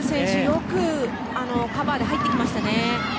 よくカバーに入ってきましたね。